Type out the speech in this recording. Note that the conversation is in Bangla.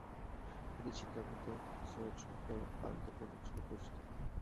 তিনি শিকাগোতে সোয়েটশপের আন্দোলনের জন্য পরিচিত।